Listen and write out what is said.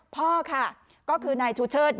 พ่อค่ะก็คือนายชูเชิด